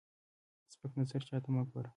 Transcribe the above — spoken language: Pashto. سپک نظر چاته مه ګوره